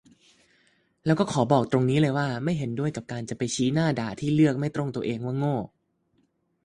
แล้วก็ขอบอกตรงนี้เลยว่า ไม่เห็นด้วยกับการจะไปชี้หน้าด่าที่เลือกไม่ตรงตัวเองว่าโง่